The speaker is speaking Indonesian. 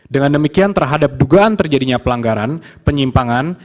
dengan demikian terhadap dugaan terjadinya pelanggaran penyimpangan